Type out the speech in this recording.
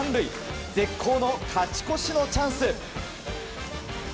絶好の勝ち越しのチャンス。